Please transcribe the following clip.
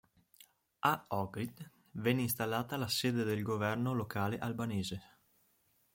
A Ohrid venne installata la sede del governo locale albanese.